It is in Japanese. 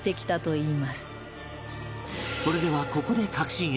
それではここで核心へ